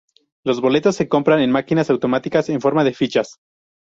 Los boletos se compran en máquinas automáticas, en forma de fichas.